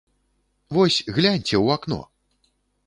Вось гляньце ў акно!